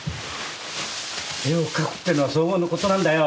絵を描くってのは荘厳なことなんだよ！